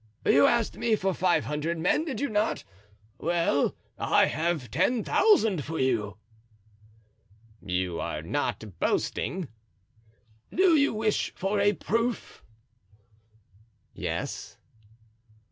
"You asked me for five hundred men, did you not? Well, I have ten thousand for you." "You are not boasting?" "Do you wish for a proof?" "Yes."